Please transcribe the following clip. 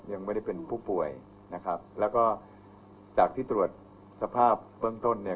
ยังไม่ได้เป็นผู้ป่วยนะครับแล้วก็จากที่ตรวจสภาพเบื้องต้นเนี่ย